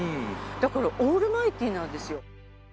だからオールマイティーなんですよ。